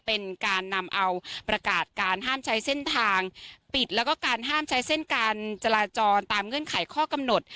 เป็นการนำเอาประกาศการห้ามใช้เส้นทางปิดแล้วก็การห้ามใช้เส้นการจราจรตามเงื่อนไขข้อกำหนด